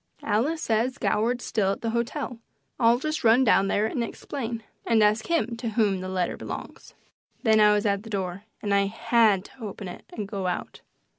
Alice says Goward's still at the hotel. I'll just run down there and explain, and ask him to whom that letter belongs." Then I was at the door, and I HAD to open it and go out.